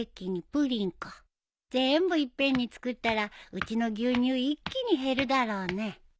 ぜーんぶいっぺんに作ったらうちの牛乳一気に減るだろうね。